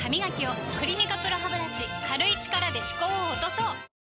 「クリニカＰＲＯハブラシ」軽い力で歯垢を落とそう！